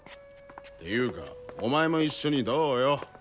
ていうかお前も一緒にどうよ？